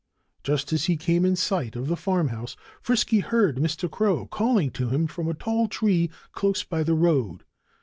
Just as he came in sight of the farmhouse Frisky heard Mr. Crow calling to him from a tall tree close by the road.